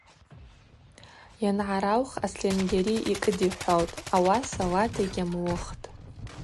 Йангӏараух Асльангьари йкӏыдихӏвалтӏ, ауаса лата йгьамуыхтӏ.